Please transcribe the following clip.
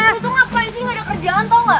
lu tuh ngapain sih gak ada kerjaan tau gak